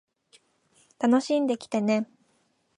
楽しんできてね